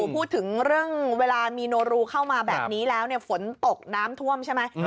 พูดถึงเรื่องเวลามีโนรูเข้ามาแบบนี้แล้วฝนตกน้ำท่วมใช่ไหม